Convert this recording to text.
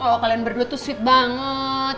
oh kalian berdua tuh sweet banget